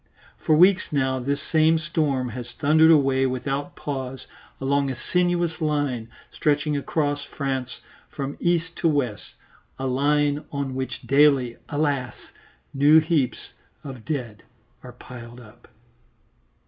For weeks now this same storm has thundered away without pause along a sinuous line stretching across France from east to west, a line on which daily, alas! new heaps of dead are piled up.